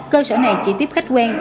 cơ sở này chỉ tiếp khách quen